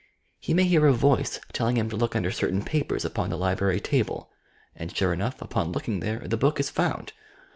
He may hear a voice telling him to look under certain papers upon the library table, and, sure enough, upon looking there, the book is found!